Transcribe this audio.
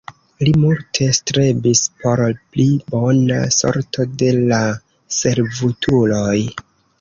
Li multe strebis por pli bona sorto de la servutuloj.